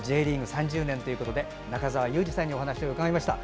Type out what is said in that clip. ３０年ということで中澤佑二さんにお話を伺いました。